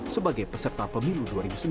sebagai peserta pemilu dua ribu sembilan belas